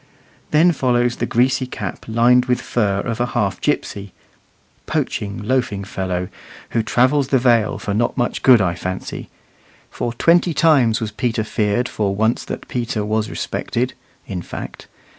Then follows the greasy cap lined with fur of a half gipsy, poaching, loafing fellow, who travels the Vale not for much good, I fancy: "For twenty times was Peter feared For once that Peter was respected," in fact.